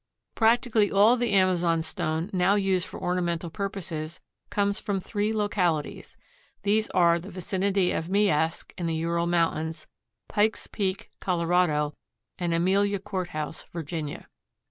Practically all the amazonstone now used for ornamental purposes comes from three localities. These are the vicinity of Miask in the Ural Mountains, Pike's Peak, Colorado, and Amelia Court House, Virginia.